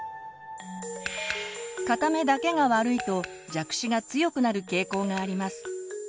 片目だけが悪いと弱視が強くなる傾向があります。